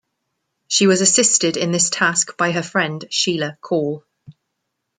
She was assisted in this task by her friend Sheila Kaul.